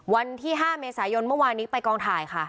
วันที่๕เมษายนเมื่อวานนี้ไปกองถ่ายค่ะ